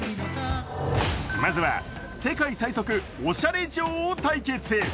まずは、世界最速、オシャレ女王対決。